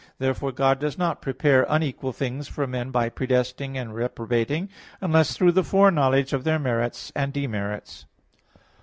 Therefore God does not prepare unequal things for men by predestinating and reprobating, unless through the foreknowledge of their merits and demerits.